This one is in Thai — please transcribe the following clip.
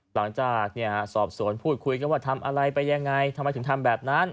หลังจากสอบสวนพูดคุยกันว่าทำอะไรไปยังไงทำไมถึงทำแบบนั้น